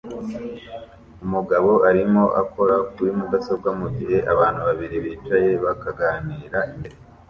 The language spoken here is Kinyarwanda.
Umugabo arimo akora kuri mudasobwa mugihe abantu babiri bicaye bakaganira imbere